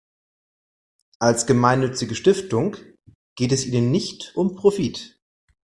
Als gemeinnützige Stiftung geht es ihnen nicht um Profit.